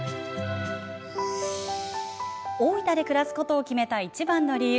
大分で暮らすことを決めたいちばんの理由